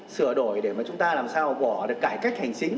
sửa đổi để mà chúng ta làm sao bỏ được cải cách hành chính